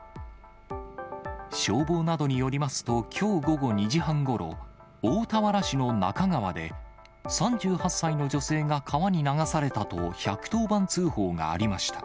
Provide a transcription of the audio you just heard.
消防などによりますと、きょう午後２時半ごろ、大田原市の那珂川で、３８歳の女性が川に流されたと１１０番通報がありました。